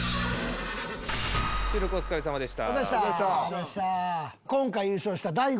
お疲れさまでした。